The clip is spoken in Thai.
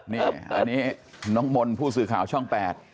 นี่อันนี้น้องมนต์ผู้สื่อข่าวช่อง๘